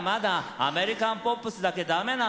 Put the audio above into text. アメリカンポップスだけ駄目なの。